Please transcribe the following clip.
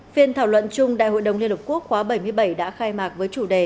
phiên thảo luận chung đại hội đồng liên hợp quốc khóa bảy mươi bảy đã khai mạc với chủ đề